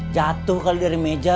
jatuh kali dari meja